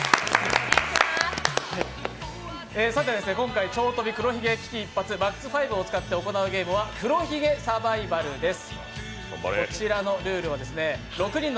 今回「超飛び黒ひげ危機一発ＭＡＸ５」を使って行うゲームは黒ひげサバイバル！です。